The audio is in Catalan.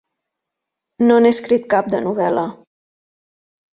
No n'he escrit cap, de novel·la!